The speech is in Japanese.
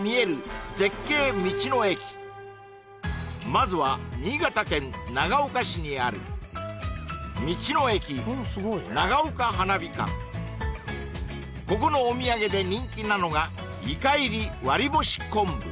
まずは新潟県長岡市にあるここのお土産で人気なのがいか入り割干昆布